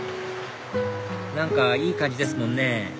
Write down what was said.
何かいい感じですもんね